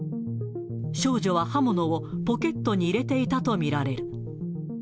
少女は刃物をポケットに入れていたと見られる。